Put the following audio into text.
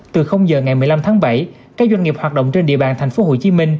từ giờ ngày một mươi năm tháng bảy các doanh nghiệp hoạt động trên địa bàn tp hcm